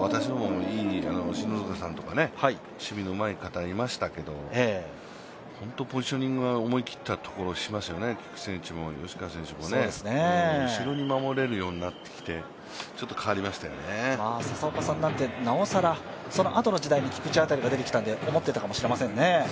私どももいい篠塚さんとか守備のいい人がいましたけど本当にポジショニング、思い切ったところをしますよね、菊池選手も吉川選手も後ろに守れるようになって、佐々岡さんなんてなおさら、そのあとの時代に菊池辺りが出てきたので、思ってたのかもしれませんね。